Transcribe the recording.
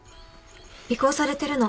尾行されてるの。